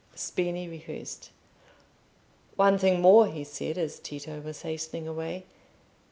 Spini rehearsed. "One thing more," he said, as Tito was hastening away.